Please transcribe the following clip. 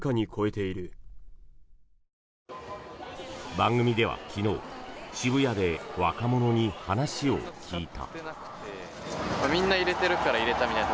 番組では昨日、渋谷で若者に話を聞いた。